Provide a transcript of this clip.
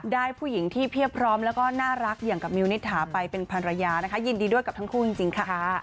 ได้ผู้หญิงที่เพียบพร้อมแล้วก็น่ารักอย่างกับมิวนิษฐาไปเป็นภรรยานะคะยินดีด้วยกับทั้งคู่จริงค่ะ